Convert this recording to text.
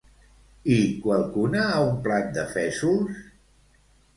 I qualcuna a un plat de fesols?